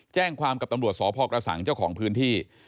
แจ้งความกับตำรวจสพกระสังเจ้าของพื้นที่